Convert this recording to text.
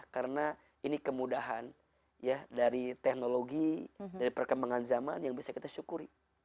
karena ini kemudahan dari teknologi dari perkembangan zaman yang bisa kita syukuri